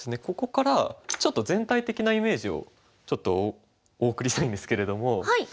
ここからちょっと全体的なイメージをちょっとお送りしたいんですけれども。